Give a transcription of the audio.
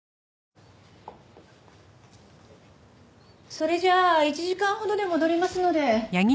それじゃ１時間ほどで戻りますので。